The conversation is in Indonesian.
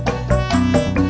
sudah di depan